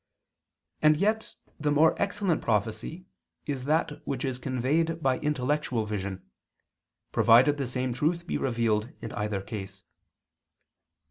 And yet the more excellent prophecy is that which is conveyed by intellectual vision, provided the same truth be revealed in either case.